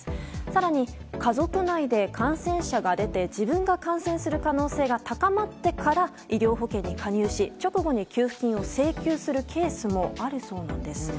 更に、家族内で感染者が出て自分が感染する可能性が高まってから医療保険に加入し直後に給付金を請求するケースもあるそうなんです。